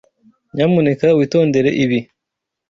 Nyamuneka witondere ibi.